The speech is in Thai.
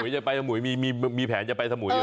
จะไปสมุยมีแผนจะไปสมุย